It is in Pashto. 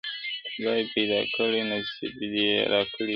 • ښکلي خدای پیدا کړمه نصیب یې راکی ښکلی -